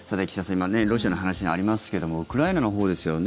今、ロシアの話ありますけどもウクライナのほうですよね